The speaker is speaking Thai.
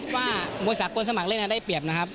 ว่ามวยสากลสมัครเล่นได้เปรียบนะครับ